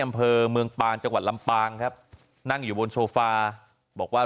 อำเภอเมืองปานจังหวัดลำปางครับนั่งอยู่บนโซฟาบอกว่า